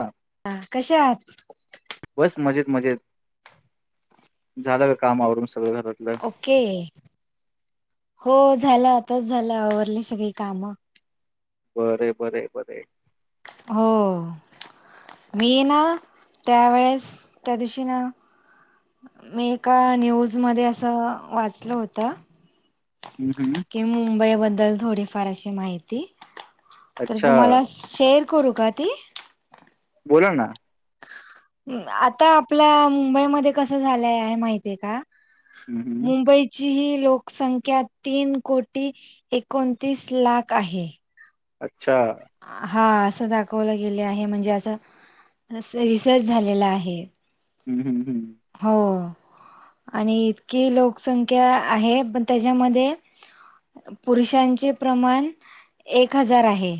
हा हा कसे आहात मस्त मजेत मजेत झालं ग काम आवरेन सगळं घरातलं हो ओके झालं आताच झालं आवरली सगळी कामं बर बर बरेय हो मी ना त्यावेेळेस त्या दिवशी ना मी एका न्यूजमध्ये असं वाचलं होतं हं हं मुंबईबद्दल थोडीफार अशी माहिती अच्छा तुम्हाला श करू का ती बोला ना आता आपल्या मुंबईमध्ये कस झालंय आहे माहितीय का हम्म हम्म मुंबई ची ही लोकसंख्या तीन कोटी एकोणतीस लाख आहे अच्छा हा असं दाखवलं गेले आहे म्हणजे असं रिसर्च झालेला आहे हम् हम हम् हो आणि इतकी लोकसंख्या आहे पण त्याच्यामध्ये पुरुषांचे प्रमाण एक हजार आहे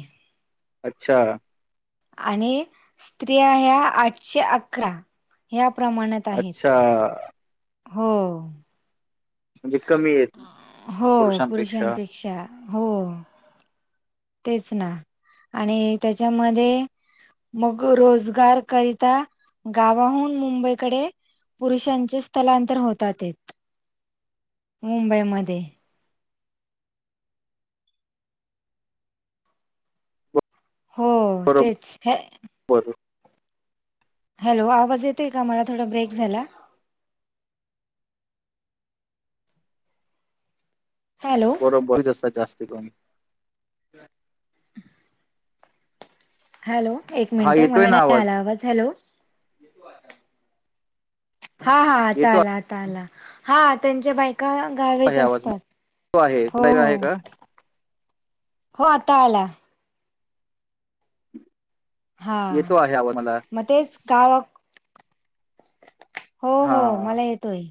अच्छा आणि स्त्रिया ह्या आठशे अकरा या्या प्रमाणात आहेत अच्छा हो म्हणजे कमी येत पुरुषांपेक्षा शा हो तेच ना आणि त्याच्यामध्ये मग रोजगार करिता गावाहून मुंबईकडे पुरुषांचे स्थलांतर होतात तेत मुंबईमध्ये हो तेच हे बरं हॅलो आवाज येतय का मला थोडा ब्रेक झाला? हॅलो ब जास्ती क [unintelligible] ह [inaudible] हॅलो एक हा मिनिट येतोय मला ना नाही आला आवाज हॅलो हा हा आता येतो आला आता आला हा त्यांच्या बाईक का आहे गावेच आवाज तो आहे असतात हो तुला हो आहे का हो आता आला हा येतो आहे आवाज मला मग तेच गाव हो हा हो मला येतोय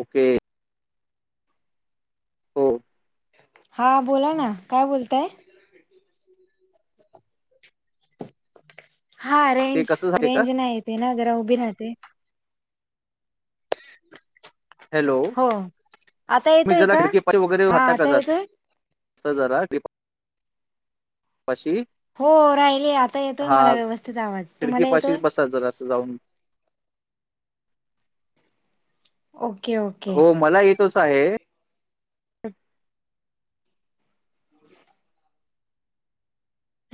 ओके हो हां बोला ना काय बोलतय हा ते रेंज कसं झाले का रेंज नाही येते ना जरा उभी राहते [unintelligible] हॅलो हो आता तुम्ही येतोय जरा का खिडकी पाणी वगैरे हा राहात का आता जा येतोय जरा पशी हो राहिली आता येतोय मला व्यवस्थित आवाज तुम्हाला येतोय खिडकीपाशीच बसा जरा असं ओके ओके हो मला येत तस आहे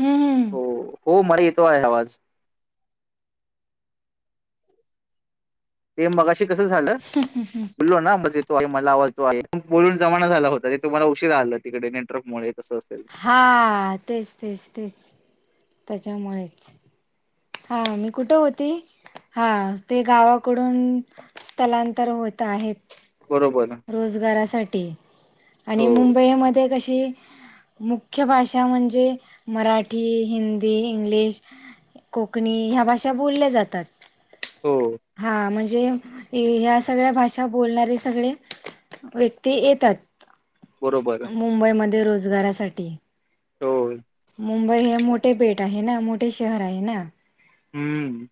हम्म हम्म हो हो मला येतो आहे आवाज ते मगाशी कस झालं बोललो ना मज मला आवो आहे बोलून जमाना झाला होता ते तुम्हाला उशीरा आला तिकडे नेटवर्क मु कसं असेल हा तेच तेच तेच त्याच्यामुळेच हा मी कुठं होते हा ते गावाकडून स्थलांतर होत आहेत बरोबर आहे रोजगारासाठी आणि मुंबईमध्ये कशी मुख्य भाषा म्हणजे मराठी हिंदी इंग्लिश कोकणी ह्या भाषा बोलल्या जातात हो हा म्हणजे ह्या सगळ्या भाषा बोलणारे सगळे व्यक्ती येतात बरोबर आहे मुंबईमध्ये रोजगारासाठी हो मुंबई हे मोठे पेट आहे ना मोठे शहर आहे ना हम्म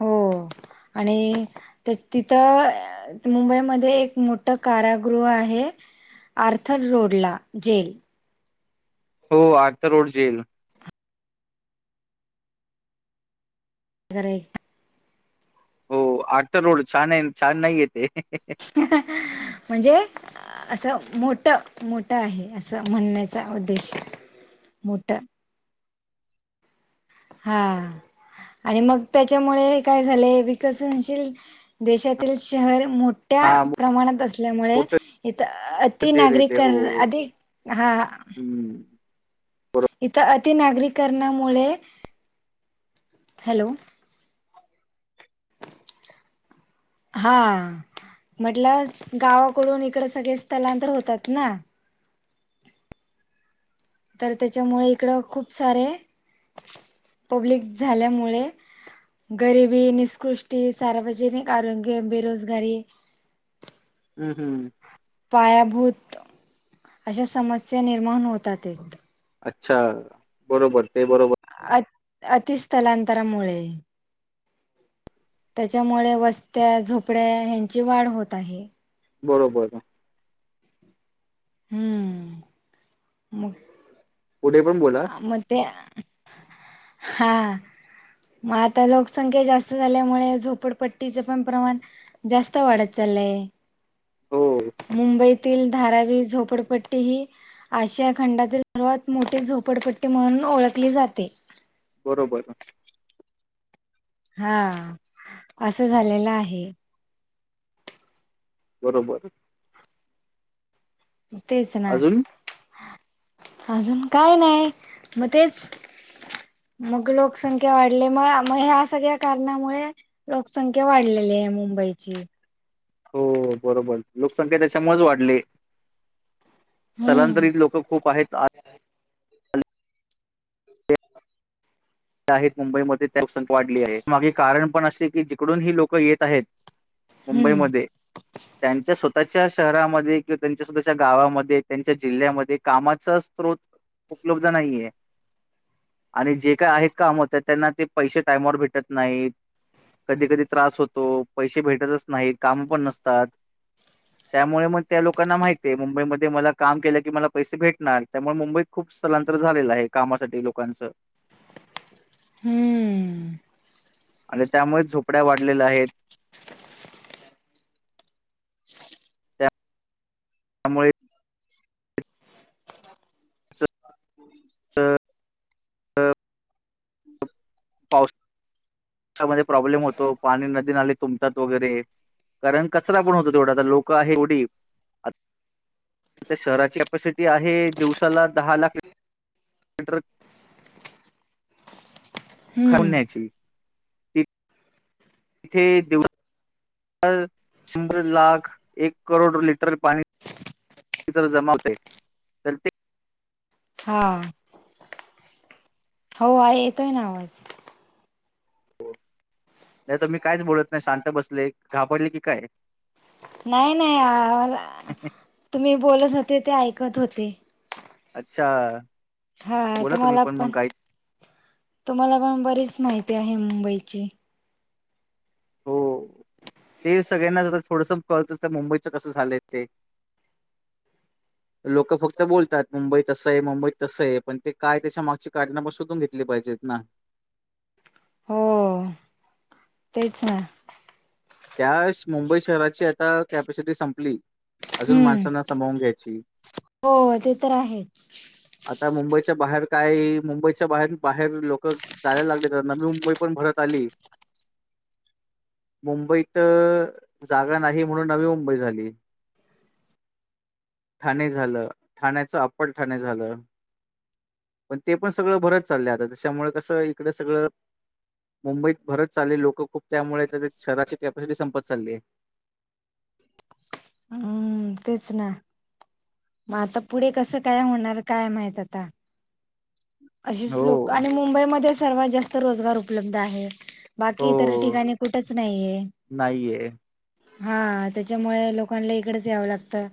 हो आणि तिथं मुंबईमध्येध्ये एक मोठ कारागृह आहे आर्थड रोड ला जेल हो आग तर रोड जा येईल गर आठतार रोड छान आहे छान नाही येते म्हणजे असं मोठ मोठं आहे असं म्हणण्याचा उद्देश मोठं हा आणि मग त्याच्यामुळे काय झालंय विकसनशील देशातील शहर मोठ मो्या हा प्रमाणात असल्यामुळे मोठ इथ अति जेल आहे ते नागरिक हो हो. अधिक हा हम्म इथं अति नागरीकरणामुळे हॅलो हा म्हटलं गावाकडून इकडे सगळे स्थलांतर होतात ना तर त्याच्यामुळे इकडं खूप सारे पब्लिक झाल्यामुळे गरिबी, निषकृष्टी सार्वजनिक आरोग्य बेरोजगारी हमम हम. पायाभूत अश्या समस्या निर्माण होतात एकत. अच्छा बरोबर ते बरोबर. अत अतिस्थलांतरामुळे त्याच्यामुळे वस्त्या झोपड्या ह्यांची वाढ होत आहे. बरोबर. हमम म पुढे पण बोला मग त्या हाआ. मग आता लोकसंख्या जास्त झाल्यामुळे झोपडपट्टीच पण प्रमाण जास्त वाढत चालय. हो. मुंबईतील धारावी झोपडपट्टी ही आशिया खंडातील सर्वात मोठी झोपडपट्टी म्हणून ओळखली जाते. बरोबर. हा असं झालेलं आहे. बरोबर. तेच ना. अजून अजून काय नाय मग तेच मग लोकसंख्या वाढली मग म ह्या सगळ्या कारणामुळे लोकसंख्या वाढलेली आहे मुंबईची. हो बरोबर लोकसंख्या त्याच्यामुळेच वाढली. हम्म स्थलांतरित लोक खूप आहेत आत आहेत मुंबईमध्ये त्या लोकसंख्या वाढली आहे मागे कारण पण असे की जिकडून ही लोक येत आहेत. हम्म मुंबईमध्ये त्यांच्या स्वतःच्या शहरामध्ये किंवा त्यांच्या स्वतःच्या गावामध्ये त्यांच्या जिल्ह्यामध्ये कामाचा स्त्रोत उपलब्ध नाहीये आणि जे काय आहेत. काम होतं त्यांना ते पैसे टायमवर भेटत नाहीत. कधी कधी त्रास होतो पैसे भेटतच नाहीत काम पण नसतात. त्यामुळे मग त्या लोकांना माहितीये मुंबईमध्ये मला काम केलं की मला पैसे भेटणार त्यामुळे मुंबईत खूप स्थलांतर झालेलं आहे कामासाठी लोकांचं. हमम. आणि त्यामुळेच झोपड्या वाढलेल्या आहेत. त्यामुळे. [unintelligible] हम [inaudible] तर पाऊस [unintelligible] त्यामध्ये प्रॉब्लेम होतो पाणी नदीनाले तुंबतात वगैरे. कारण कचरा पण होतो तेवढा आता लोकं आहेत एवढी. आता शहराची कॅपासिटी आहे दिवसाला दहा लाख इंटर [unintelligible] खाऊन हम्म न्यायची इथे दिव शंभर लाख एक करोड लिटर पाणी जमा होते तर ते हा हो आ येतोय ना आवाज. नाही तर मी कायच बोलत नाही शांत बसले घाबरले की काय? नाही नाही तुम्ही बोलत होते ते ऐकत होते. अच्छा. हा बोला तुम्ही तुम्हाला मग पण, काय तुम्हाला पण बरीच माहिती आहे मुंबईची. हो, ते सगळ्यांनाच आता थोडस कळत तर मुंबईच कसं झालंय ते. लोक फक्त बोलतात मुंबई तसं आहे मुंबईत तसं आहे पण ते काय त्याच्या मागची काढण पण शोधून घेतली पाहिजेत ना. हो, तेच ना. त्यास मुंबई शहराची आता कॅपॅसिटी संपली. अजून हम्म. माणसांना समावून घ्यायची. हो ते तर आहेच आता मुंबईच्या बाहेर काय मुंबईच्या बाहेर बाहेर लोक जायला लागले तर नवी मुंबई पण भरत आली, मुंबई त, जागा नाही म्हणून नवी मुंबई झाली. ठाणे झालं, ठाण्याच अप्पर ठाणे झालं. पण ते पण सगळं भरत चाललंय त्याच्यामुळे कसं इकड सगळं मुंबईत भरच चाललय लोक खूप त्यामुळे त्या शहराची कॅपॅसिटी संपत चालली आहे. हम्म तेच ना. म आता पुढे कसं काय होणार काय माहित आता? अशीच हो लोक आणि मुंबईमध्ये सर्वात जास्त रोजगार उपलब्ध आहे, बाकी इतर हो ठिकाणी कुठच नाहीये. नाहीये. हा त्याच्यामुळे लोकांना इकडेंच यावं लागतं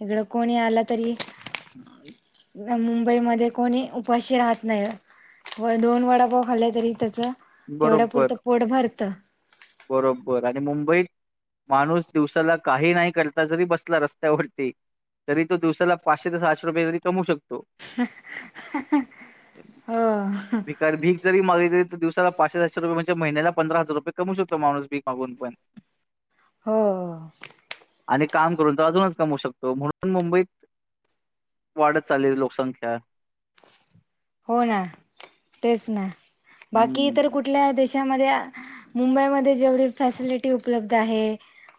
इकडं कोणी आला तरी मुंबईमध्ये कोणी उपाशी राहत नाही. होय दोन वडापाव खाले तरी त्याच तेवढ्या बरोबबर, पुुरतं पोट भरत बरोबर आणि मुंबईत माणूस दिवसाला काही नाही करता जरी बसला रस्त्यावरती तरी तो दिवसाला पाचशे ते सहाशे रुपये जरी कमऊ शक हो, हो भिकारी भीक जरी मागली तर दिवसाला [unintelligible] महिन्याला पंधरा हजार रुपये कमवू शकतो माणूस भिक मागून पण. हो. आणि काम करून तर अजूनच कमवू शकतो म्हणून मुंबईत वाढत चालली लोकसंख्या. हो ना, तेच ना, बाकी इतर हम्म कुठल्या देश त्यामध्ये, मुंबईमध्ये जेवढी फॅसिलिटी उपलब्ध आहे.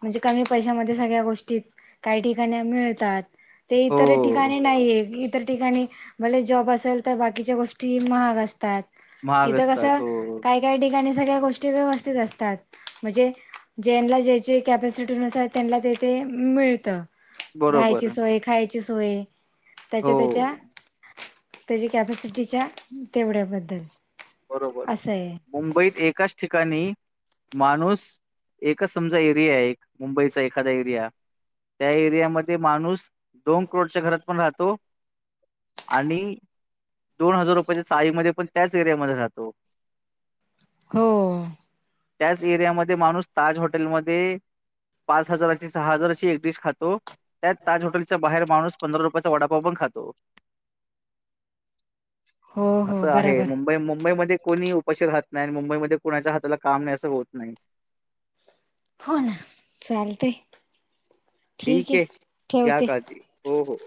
म्हणजे कमी पैशामध्ये सगळ्या गोष्टी, काही ठिकाणी मिळतात. ते इतर हो ठिकाणी नाहीय इतर ठिकाणी, भले जॉब असेल तर बाकीच्या गोष्टी महाग असतात, महाग इथं असतात कसं, हो काय काही ठिकाणी सगळ्या गोष्टी व्यवस्थित असतात. म्हणजे ज्यांनला ज्याची कॅपॅसिटी नुसार त्यांनला तेथे मिळतं. राहायची बरोबर. सोय, खायची सोय त्याच्या हो त्याच्या त्याची कॅपसिटीच्या, तेवढ्याबद्दल. बरोबर, असं आहे मुंबईत एकाच ठिकाणी, माणूस एकच समजा एरिया एक, मुंबईचा एखादा एरिया. त्या एरियामध्ये माणूस, दोन करोडच्या घरात पण राहतो. आणि, दोन हजार रुपयाच्या चाळीमध्ये पण त्याच एरिया मध्ये राहतो. हो. त्याच एरियामध्ये माणूस ताज हॉटेलमध्ये पाच हजाराची, सहा हजाराची एक डिश खातो. त्याच ताज हॉटेलच्या बाहेर माणूस पंधरा रुपयाचा वडापाव पण खातो. हो हो असं आहे. बराबर मुंबई मुं मुंबईमध्ये कोणी उपशार राहात नाही. मुंबईमध्ये कुणाच्या हाताला काम नाही असं होत नाही. हो ना चालत. ठीक आहे घ्या ठेवते काजी हो हो.